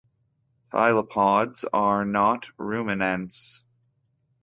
Tylopods are not ruminants.